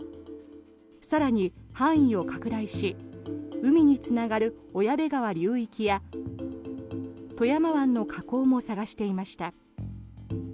更に、範囲を拡大し海につながる小矢部川流域や富山湾の河口も捜していました。